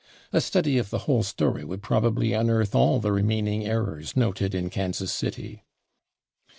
A study of the whole story would probably unearth all the remaining errors noted in Kansas City.